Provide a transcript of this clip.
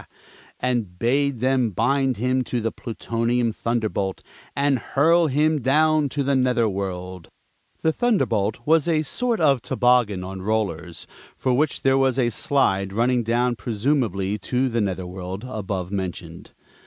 and bade them bind him to the Plutonian Thunderbolt and hurl him down to the nether world. The thunderbolt was a sort of toboggan on rollers, for which there was a slide running down presumably to the nether world, above mentioned.